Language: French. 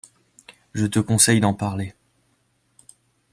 Je te conseille d’en parler…